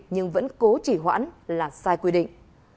nhưng vẫn cố chỉ hoãn là sai quy định